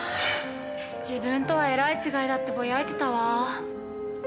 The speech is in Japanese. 自分とはえらい違いだってぼやいてたわ。